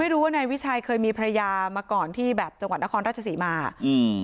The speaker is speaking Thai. รู้ว่านายวิชัยเคยมีภรรยามาก่อนที่แบบจังหวัดนครราชศรีมาอืม